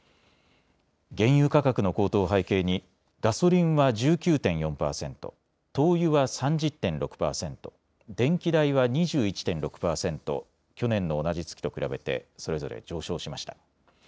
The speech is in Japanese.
原油価格の高騰を背景にガソリンは１９．４％、灯油は３０．６％、電気代は２１．６％去年の同じ月と比べてそれぞれ上昇しました。